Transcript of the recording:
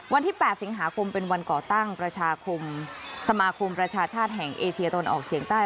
วันที่๘สิงหาคมเป็นวันก่อตั้งประชาคมสมาคมประชาชาติแห่งเอเชียตะวันออกเฉียงใต้